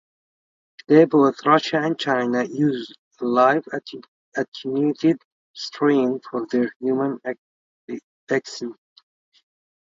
Today both Russia and China use live attenuated strains for their human vaccines.